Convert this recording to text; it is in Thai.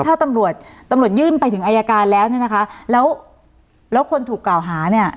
ถ้าตำรวจตำรวจยื่นไปถึงอายการแล้วเนี่ยนะคะแล้วแล้วคนถูกกล่าวหาเนี่ย